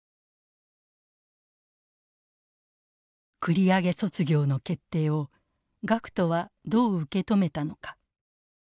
繰り上げ卒業の決定を学徒はどう受け止めたのか。